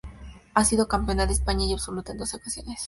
Ha sido campeona de España absoluta en doce ocasiones.